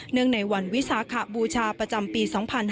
เนื่องในวันวิสาคาบูชาประจำปี๒๕๖๒